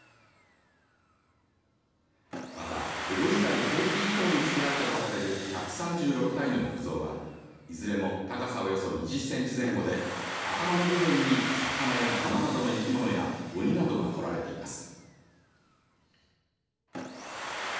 また江戸時代後期以降につくられたとされる１３６体の木像はいずれも高さおよそ２０センチ前後で頭の部分に魚や馬などの生き物や鬼などが彫られています。